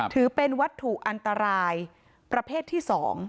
ถือเป็นวัตถุอันตรายประเภทที่๒